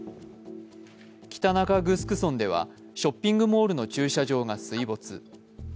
北中城村ではショッピングモールの駐車場が水没。